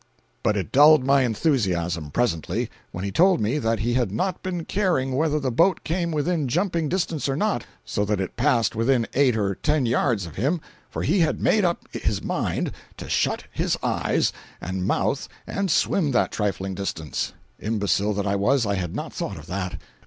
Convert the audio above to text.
273.jpg (62K) But it dulled my enthusiasm, presently, when he told me he had not been caring whether the boat came within jumping distance or not, so that it passed within eight or ten yards of him, for he had made up his mind to shut his eyes and mouth and swim that trifling distance. Imbecile that I was, I had not thought of that.